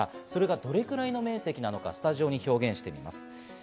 どれぐらいの面積なのか、スタジオに表現しています。